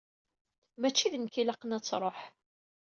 Mačči d nekk i ilaqen ad truḥ.